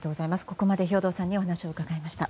ここまで兵頭さんに伺いました。